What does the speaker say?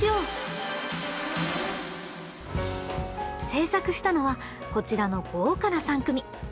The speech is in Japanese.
制作したのはこちらの豪華な３組！